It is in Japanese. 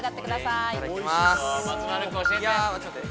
いただきます。